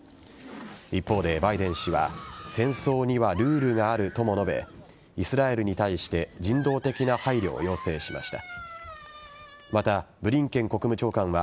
一方で、バイデン氏は戦争にはルールがあるとも述べイスラエルに対して人道的な配慮を要請しました。